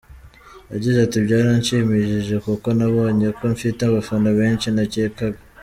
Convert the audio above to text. Yagize ati :”Byaranshimishije kuko nabonye ko mfite abafana benshi ntakekaga.